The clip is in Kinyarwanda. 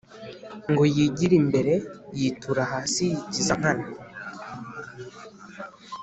ngo yigire imbere, yitura hasi yigiza nkana,